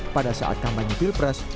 pada saat kampanye pil pres